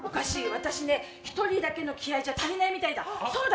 私ね、一人だけの気合いじゃ足りないみたいだ。